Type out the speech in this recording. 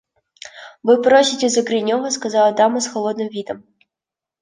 – Вы просите за Гринева? – сказала дама с холодным видом.